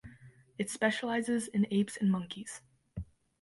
It specializes in apes and monkeys.